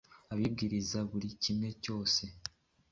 baribwiriza buri kimwe cyose